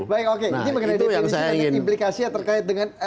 jadi penelitian implikasinya terkait dengan